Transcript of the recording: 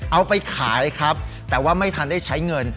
เอาไปขายครับแต่ว่าไม่ทันได้ใช้เงิน